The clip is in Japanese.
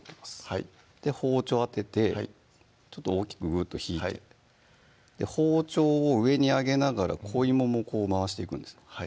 はい包丁当てて大きくぐっと引いて包丁を上に上げながら小芋もこう回していくんです